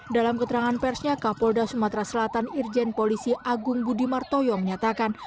dalam keterangan persnya kapolda sumatera selatan irjen polisi agung budi martoyo menyatakan